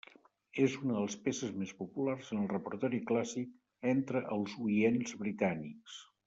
És una de les peces més populars en el repertori clàssic entre els oients britànics.